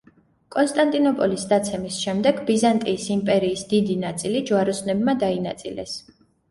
კონსტანტინოპოლის დაცემის შემდეგ, ბიზანტიის იმპერიის დიდი ნაწილი ჯვაროსნებმა დაინაწილეს.